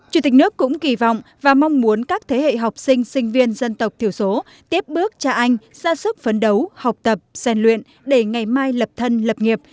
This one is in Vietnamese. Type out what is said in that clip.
chủ tịch nước cũng kỳ vọng và mong muốn các thế hệ học sinh sinh viên dân tộc thiểu số tiếp bước cha anh ra sức phấn đấu học tập sàn luyện để ngày mai lập thân lập nghiệp